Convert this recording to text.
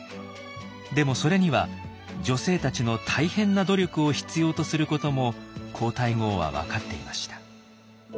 でもそれには女性たちの大変な努力を必要とすることも皇太后は分かっていました。